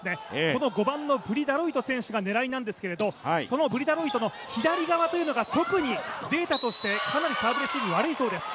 この５番のプリ・ダロイト選手が狙いなんですけれども、そのプリ・ダロイトの左側が特にデータとしてかなりサーブレシーブが悪いそうです。